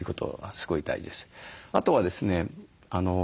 あとはですね